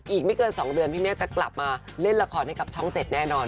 อีกไม่เกิน๒เดือนพี่เมฆจะกลับมาเล่นละครให้กับช่องเสร็จแน่นอน